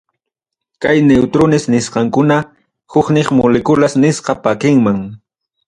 Kay neutrones nisqankuna huknin moleculas nisqata pakinman.